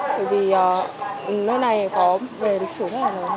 bởi vì nơi này có về lịch sử rất là lớn